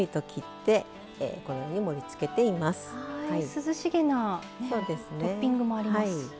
涼しげなトッピングもあります。